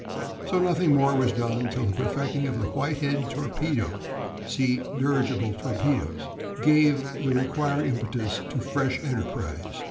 So nothing more was done till the perfecting of the Whitehead torpedo (see Dirigible Torpedoes) gave the required impetus to fresh enterprise.